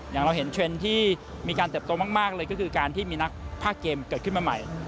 อย่างเราเห็นเทรนด์ที่มีการเติบโตมากเลยก็คือการที่มีนักภาคเกมเกิดขึ้นมาใหม่